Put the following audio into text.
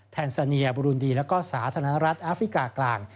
แทนซาเนียบรูนดีแล้วก็สาธารณรัฐแอฟริกากลาง